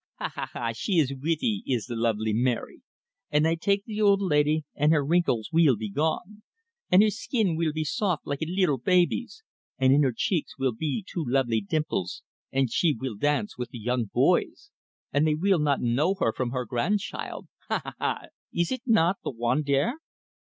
Ha, ha, ha, she ees wittee, ees the lovely Mary! And I take the old lady, and her wrinkles weel be gone, and her skeen weel be soft like a leetle baby's, and in her cheeks weel be two lovely dimples, and she weel dance with the young boys, and they weel not know her from her grandchild ha, ha, ha! ees eet not the wondair?"